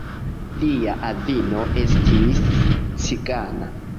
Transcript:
Lia avino estis cigana.